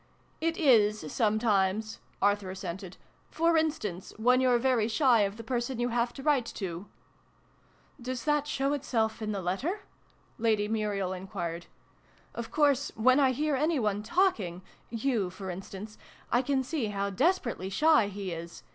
"It is, sometimes," Arthur assented. " For instance, when you're very shy of the person you have to write to.' " Does that show itself in the letter ?" Lady Muriel enquired. " Of course, when I hear any one talking yoii, for instance I can see how desperately shy he is